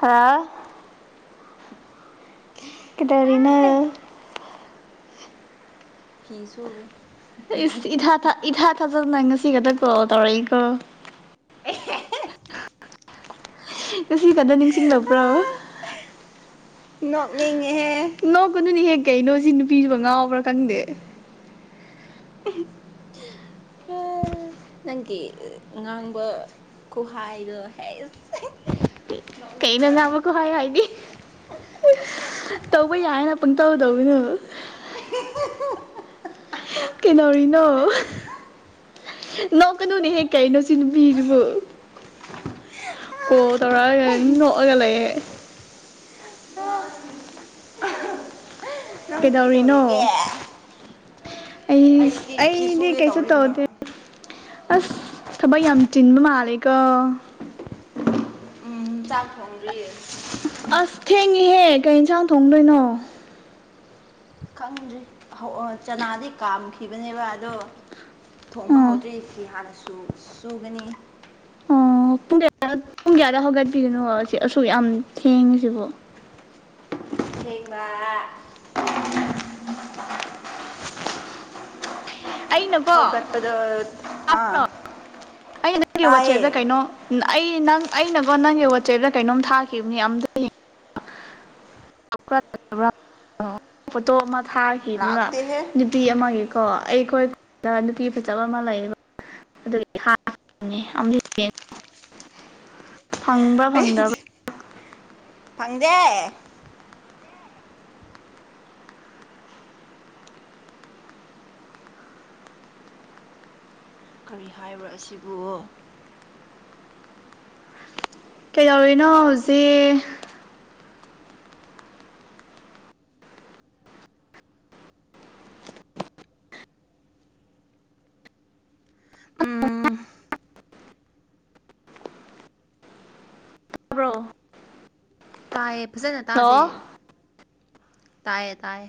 ꯍꯥ [unintelligible] ꯀꯩꯗꯧꯔꯤꯅꫭ ꯐꯤ ꯐꯤ ꯁꯨꯔꯤ ꯏꯊꯥ ꯏꯊꯥ ꯊꯥꯖꯕꯗ ꯉꯁꯤ ꯈꯛꯇ ꯀꯣꯜ ꯇꯧꯔꯛꯏꯀꯣ ꯉꯁꯤ ꯀꯟꯅ ꯅꯤꯡꯁꯤꯡꯂꯕ꯭ꯔꯣꯕ ꯅꯣꯛꯅꯤꯡꯉꯦꯍꯦ ꯅꯣ ꯀꯅꯨꯅꯤ ꯍꯦꯛ ꯀꯩꯅꯣ ꯁꯤ ꯅꯨꯄꯤꯗꯨꯕ ꯉꯥꯎꯕ꯭ꯔꯥ ꯈꯪꯗꯦ ꯅꯪꯒꯤ ꯉꯥꯡꯕ ꯈꯨꯍꯥꯏꯗꯣ ꯍꯩꯁ ꯀꯩꯅꯣ ꯉꯥꯡꯕꯀꯣ ꯍꯥꯏ ꯍꯥꯏꯗꯤ ꯇꯧꯕ ꯌꯥꯏ ꯍꯥꯏꯅ ꯄꯨꯡ ꯇꯧꯗꯧ ꯇꯧꯒꯅꯣ ꯀꯩꯗꯧꯔꯤꯅꯣ ꯅꯣꯛꯒꯅꯨꯅꯦ ꯀꯩꯅꯣ ꯁꯤ ꯅꯨꯕꯤꯁꯤꯕꯨ ꯀꯣꯜ ꯇꯧꯔꯛꯑꯒ ꯅꯣꯛꯑꯒ ꯂꯩꯌꯦ ꯅꯪ ꯀꯩꯗꯧꯔꯤꯅꯣ ꯀꯩꯗꯧꯔꯤꯒꯦ ꯑꯩ ꯐꯤ ꯑꯩꯗꯤ ꯁꯨꯒꯦ ꯀꯩꯁꯨ ꯇꯧꯔꯤꯕ ꯇꯧꯗꯦ ꯑꯁ ꯊꯕꯛ ꯌꯥꯝ ꯆꯤꯟꯕ ꯃꯥꯜꯂꯦꯀꯣ ꯎꯝ ꯆꯥꯛ ꯊꯣꯡꯗ꯭ꯔꯤꯌꯦ ꯑꯁ ꯊꯦꯡꯉꯍꯦ ꯀꯩ ꯌꯦꯟꯁꯥꯡ ꯊꯣꯡꯗꯣꯏꯅꯣ ꯈꯪꯗ꯭ꯔꯤ ꯆꯅꯥꯗꯤ ꯀꯥꯝꯈꯤꯕꯅꯦꯕ ꯑꯗꯣ ꯊꯣꯡꯕ ꯑꯥ ꯍꯧꯗ꯭ꯔꯔꯤꯁꯤ ꯍꯥꯟꯅꯁꯨ ꯆꯨꯒꯅꯤ ꯑꯣ ꯄꯨꯡ ꯀꯌꯥꯗ ꯄꯨꯡ ꯀꯌꯥꯗ ꯍꯧꯒꯠꯄꯤꯒꯅꯣ ꯁꯤ ꯑꯁꯨꯛ ꯌꯥꯝ ꯊꯦꯡꯉꯤꯁꯤꯕꯣ [inaudible] [unintelligible] ꯍꯧꯒꯠꯄꯗꯣ ꯑꯥ ꯑꯩꯅꯀꯣꯄ꯭ꯔꯣ ꯑꯩ ꯅꯪꯒꯤ ꯇꯥꯏꯌꯦ ꯋꯥꯆꯦꯞꯇ ꯀꯩꯅꯣ ꯑꯩ ꯅꯪ ꯑꯩꯅꯒꯣ ꯅꯪꯒꯤ ꯋꯥꯆꯦꯞꯇ ꯀꯩꯅꯣꯝ ꯊꯥꯈꯤꯕꯅꯤ ꯑꯝꯇ ꯐꯣꯇꯣ ꯑꯃ ꯊꯥꯈꯤꯅꯤꯕ ꯂꯥꯛꯇꯦꯍꯦ ꯅꯨꯄꯤ ꯑꯃꯒꯤꯀꯣ ꯑꯩꯈꯣꯏ ꯅꯨꯅꯨꯡꯄꯤꯤ ꯐꯖꯕ ꯑꯃ ꯂꯩꯌꯦꯕ ꯑꯗꯨ ꯐꯪꯕ꯭ꯔꯥ ꯑꯩ ꯐꯪꯗ꯭ꯔꯕ꯭ꯔ ꯐꯪꯗꯦ ꯀꯔꯤ ꯍꯥꯏꯕ ꯑꯁꯤꯕꯨ ꯀꯩꯗꯧꯔꯤꯅꯣ ꯍꯧꯖꯤꯛ ꯎꯝ ꯇꯕ꯭ꯔꯣ ꯇꯥꯏꯌꯦ ꯐꯖꯅ ꯍꯜꯂꯣ ꯇꯥꯗꯦ ꯇꯥꯏꯌꯦ ꯇꯥꯏ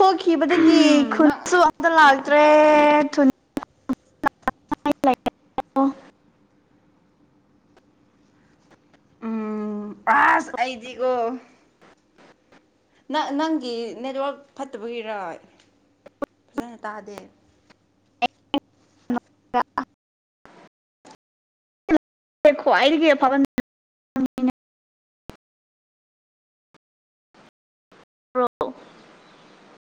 ꯊꯣꯛꯈꯤꯕꯗꯒꯤ ꯅꯪ ꯈꯨꯟꯁꯨ ꯑꯝꯇ ꯂꯥꯛꯇ꯭ꯔꯦ ꯂꯩꯌꯣ ꯄꯥꯁ ꯑꯩꯗꯤꯒꯣ ꯅ ꯅꯪꯒꯤ ꯅꯦꯠꯋꯛ ꯐꯠꯇꯕꯒꯤꯔꯣꯏ ꯐꯖꯅ ꯇꯥꯗꯦ ꯍꯈꯣ ꯍꯥꯏꯔꯤꯒꯦ ꯐꯕ [unintelligible]